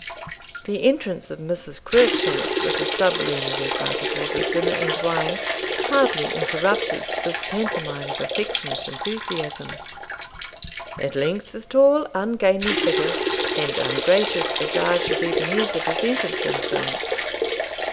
The entrance of Mrs. Cruickshanks with the sublunary articles of dinner and wine hardly interrupted this pantomime of affectionate enthusiasm. At length the tall ungainly figure and ungracious visage of Ebenezer presented themselves.